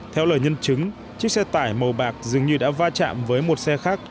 theo lời nhân chứng chiếc xe tải màu bạc dường như đã va chạm với một xe khác